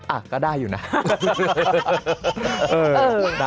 อ่ะก็ได้อยู่นะ